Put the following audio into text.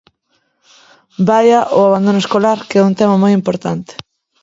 Vaia ao abandono escolar, que é un tema moi importante.